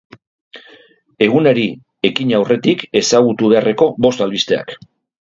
Egunari ekin aurretik ezagutu beharreko bost albisteak.